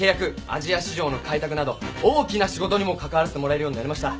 アジア市場の開拓など大きな仕事にも関わらせてもらえるようになりました。